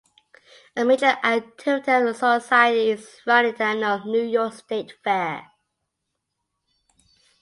A major activity of the society is running the annual New York State Fair.